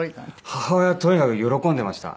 母親はとにかく喜んでいました。